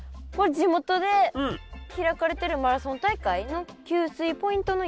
地元で開かれてるマラソン大会の給水ポイントの様子。